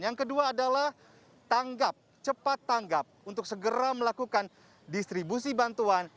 yang kedua adalah tanggap cepat tanggap untuk segera melakukan distribusi bantuan